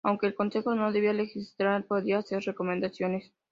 Aunque el consejo no debía legislar, podía hacer recomendaciones.